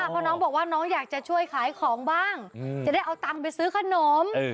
เพราะน้องบอกว่าน้องอยากจะช่วยขายของบ้างจะได้เอาตังค์ไปซื้อขนม